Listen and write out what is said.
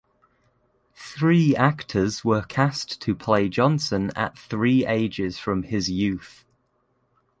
Three actors were cast to play Johnson at three ages from his youth.